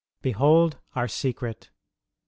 Behold our secret !